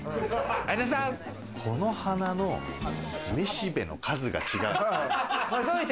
この花のめしべの数が違う。